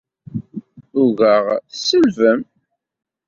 Ugaɣ tselbem!